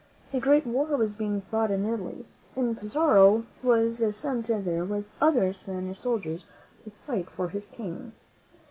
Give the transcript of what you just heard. A great war was being fought in Italy, and Pizarro was sent there with other Spanish soldiers to fight for his King.